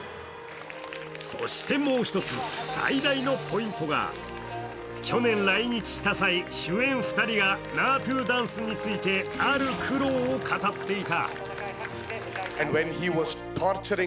そしてもう一つ、最大のポイントが去年来日した際主演２人がナートゥダンスについてある苦労を語っていた。